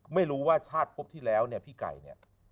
ไม่รู้ว่าชาติพบที่แล้วเนี่ยพี่ไก่เนี่ย